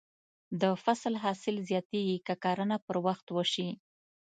د فصل حاصل زیاتېږي که کرنه پر وخت وشي.